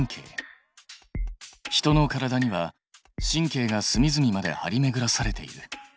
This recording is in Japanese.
人の体には神経がすみずみまで張りめぐらされている。